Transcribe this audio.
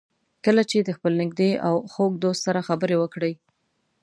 کله چې د خپل نږدې او خوږ دوست سره خبرې وکړئ.